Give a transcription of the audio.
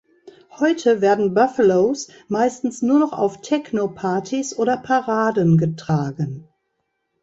Heute werden Buffalos meistens nur noch auf Techno-Partys oder -Paraden getragen.